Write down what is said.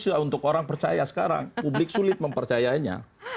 susah untuk orang percaya sekarang publik sulit mempercayainya